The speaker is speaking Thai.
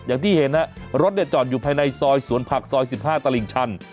อย่างที่เห็นรถจอดอยู่ภายในซอยสวนผักซอย๑๕ตลิ่งชัน